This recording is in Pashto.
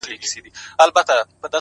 وخت پر ما ژاړي وخت له ما سره خبرې کوي-